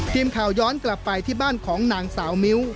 ทีมข่าวย้อนกลับไปที่บ้านของนางสาวมิ้ว